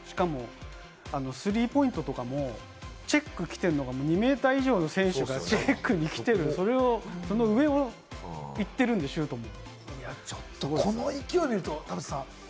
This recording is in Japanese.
しかもスリーポイントとかも、チェックに来てるのが２ｍ以上の選手がチェックに来てる、その上を行っているんで、シュートも。